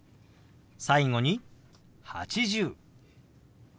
最後に「８０」。